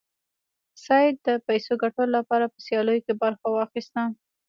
سید د پیسو ګټلو لپاره په سیالیو کې برخه واخیسته.